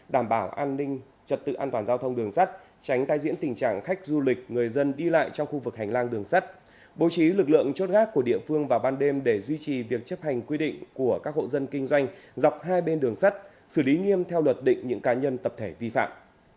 đảm bảo an ninh trật tự an toàn giao thông đường sắt tránh tai diễn tình trạng khách du lịch người dân đi lại trong khu vực hành lang đường sắt bố trí lực lượng chốt gác của địa phương vào ban đêm để duy trì việc chấp hành quy định của các hộ dân kinh doanh dọc hai bên đường sắt xử lý nghiêm theo luật định những cá nhân tập thể vi phạm